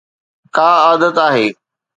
ڪا عادت آهي.